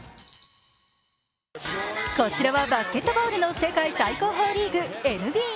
こちらはバスケットボールの世界最高峰リーグ・ＮＢＡ。